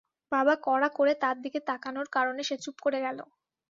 বাবা কড়া করে তার দিকে তোকানোর কারণে সে চুপ করে গেল।